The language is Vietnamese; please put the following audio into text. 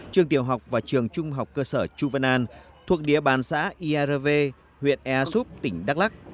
trường tiểu học và trường trung học cơ sở chu văn an thuộc địa bàn xã iarve huyện ea súp tỉnh đắk lắc